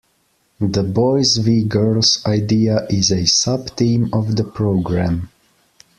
The 'boys v girls' idea is a sub-theme of the programme.